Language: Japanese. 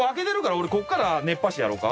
俺ここから熱波師やろうか？